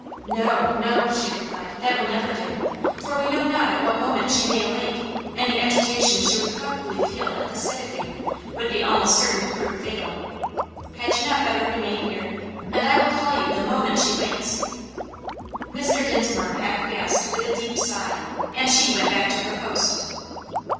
"No, no," she replied, "that will never do; for we know not at what moment she may awake, and the agitation she would probably feel at the sight of you would be almost certain to prove fatal. Had you not better remain here? and I will call you the moment she wakes." Mr. Dinsmore acquiesced with a deep sigh, and she went back to her post.